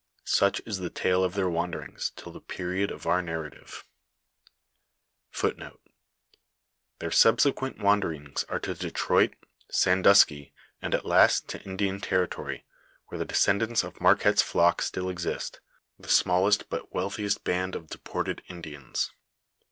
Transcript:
Such is the tale of their wanderings, till the period of our narrative.f • Ret. 1671 "r2. f Their Bubseqnent wanderings are to Detroit, Sandusky, and at last to Indian territory, where the descendants of Marquette's flock still exist, the smallest but wealthiest band of deported Indiana.